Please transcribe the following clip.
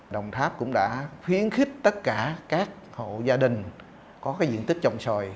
đồng tháp cũng đã khuyến khích tất cả các hộ gia đình có cái diện tích trồng xoài